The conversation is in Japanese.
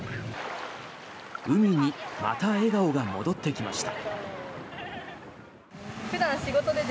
海にまた笑顔が戻ってきました。